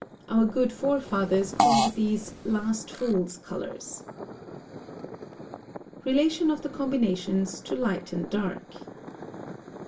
Our good forefathers called these last fool's colours. RELATION OF THE COMBINATIONS TO LIGHT AND DARK. 830.